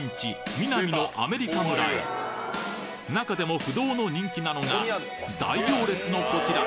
ミナミのアメリカ村へ中でも不動の人気なのが大行列のこちら